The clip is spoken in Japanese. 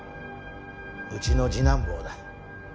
うちの次男坊だ。